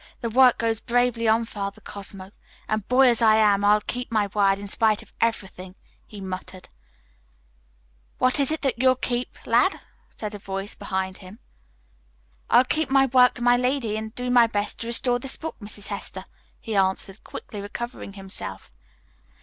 The work goes bravely on, Father Cosmo; and boy as I am, I'll keep my word in spite of everything," he muttered. "What is that you'll keep, lad?" said a voice behind him. "I'll keep my word to my lady, and do my best to restore this book, Mrs. Hester," he answered, quickly recovering himself.